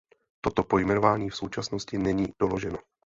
Toto pojmenování v současnosti není doloženo.